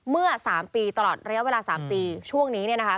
เมื่อ๓ปีตลอดระยะเวลา๓ปีช่วงนี้